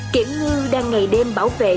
kiểm ngư đang ngày đêm bảo vệ